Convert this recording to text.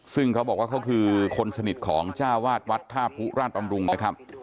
ซึ่งเขาบอกว่าเขาคือคนสนิทของจ้าวาดวัดท่าผู้ราชบำรุงนะครับ